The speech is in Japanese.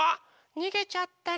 にげちゃったの。